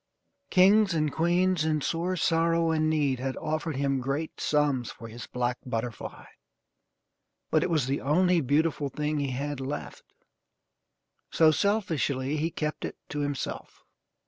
Kings and queens, in sore sorrow and need, had offered him great sums for his black butterfly, but it was the only beautiful thing he had left so, selfishly, he kept it to himself.